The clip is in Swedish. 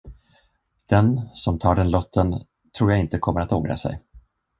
Den, som tar den lotten, tror jag inte kommer att ångra sig.